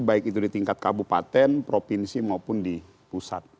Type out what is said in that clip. baik itu di tingkat kabupaten provinsi maupun di pusat